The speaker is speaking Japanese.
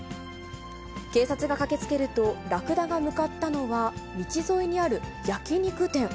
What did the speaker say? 警察が駆けつけると、ラクダが向かったのは道沿いにある焼き肉店。